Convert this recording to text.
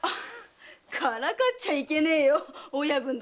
からかっちゃいけねえよ“親分”だなんて。